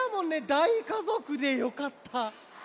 だいかぞくでよかった。